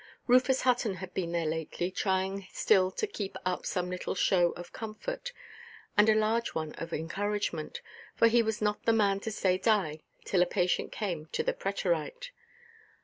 Rufus Hutton had been there lately, trying still to keep up some little show of comfort, and a large one of encouragement; for he was not the man to say die till a patient came to the preterite.